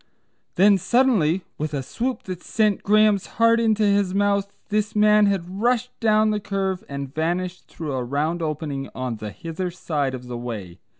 Then suddenly, with a swoop that sent Graham's heart into his mouth, this man had rushed down the curve and vanished through a round opening on the hither side of the way.